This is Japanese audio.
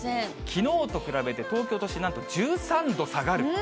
きのうと比べて東京都心、なんと１３度下がる。